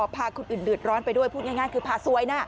พาคนอื่นเดือดร้อนไปด้วยพูดง่ายคือพาซวยนะ